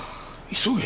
急げ！